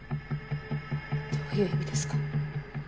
どういう意味ですか？